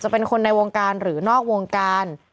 เป็นคนในวงการหรือนอกวงการ